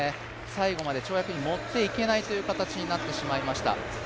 最後まで跳躍に持っていけないという形になってしまいました。